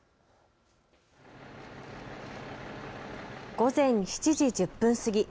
午前７時１０分過ぎ。